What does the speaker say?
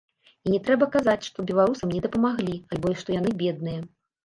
І не трэба казаць, што беларусам не дапамаглі, альбо што яны бедныя.